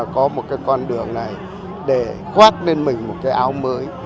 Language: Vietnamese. có một con đường này để khoát lên mình một áo mới